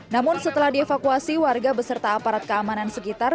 namun setelah dievakuasi warga beserta aparat keamanan sekitar